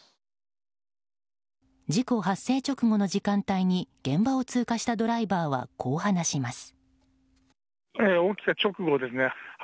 事故発生直後の時間帯に現場を通過したドライバーはこう話します。